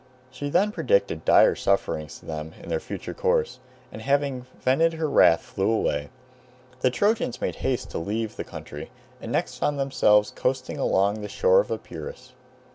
She then predicted dire sufferings to them in their future course, and having vented her wrath flew away. The Trojans made haste to leave the country, and next found themselves coasting along the shore of Epirus.